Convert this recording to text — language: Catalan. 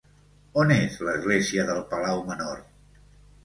On és l'església del Palau Menor?